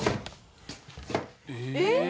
えっ！？